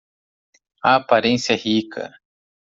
A aparência rica